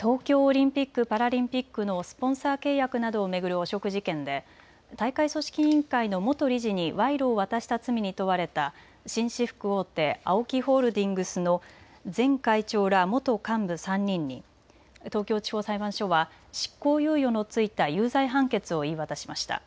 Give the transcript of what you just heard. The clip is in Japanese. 東京オリンピック・パラリンピックのスポンサー契約などを巡る汚職事件で大会組織委員会の元理事に賄賂を渡した罪に問われた紳士服大手、ＡＯＫＩホールディングスの前会長ら元幹部３人に東京地方裁判所は執行猶予の付いた有罪判決を言い渡しました。